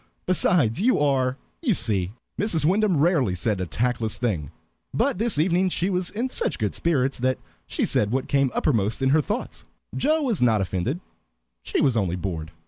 Besides, you are, you see." Mrs. Wyndham rarely said a tactless thing, but this evening she was in such good spirits that she said what came uppermost in her thoughts. Joe was not offended; she was only bored.